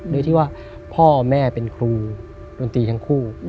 โดยที่ว่าพ่อแม่เป็นครูดนตรีทั้งคู่